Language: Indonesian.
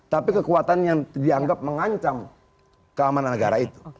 tapi kekuatan yang dianggap mengancam keamanan negara itu